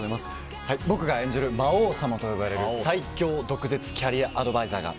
僕が演じる魔王様と呼ばれる最恐毒舌キャリアアドバイザーが。